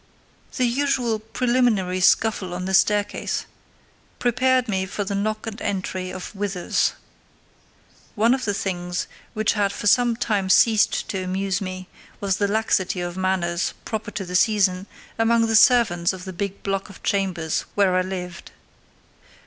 The usual preliminary scuffle on the staircase prepared me for the knock and entry of Withers. (One of the things which had for some time ceased to amuse me was the laxity of manners, proper to the season, among the servants of the big block of chambers where I lived.)